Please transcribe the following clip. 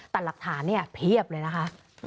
แต่หลักฐานเนี่ยเพียบเลยนะคะ